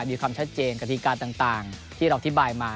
มีความชัดเจนกฎิการต่างที่เราอธิบายมา